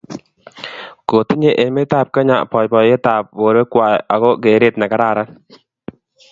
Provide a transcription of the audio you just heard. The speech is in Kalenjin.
kotinye emetab Kenya boiboiyetab borwekwai ago gereet negararan